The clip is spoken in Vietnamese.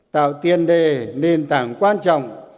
tạo tiền đề nền tảng quan trọng